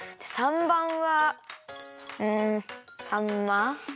３ばんはうんさんま？